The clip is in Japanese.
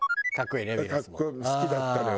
好きだったのよ。